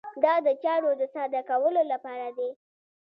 دا د چارو د ساده کولو لپاره دی.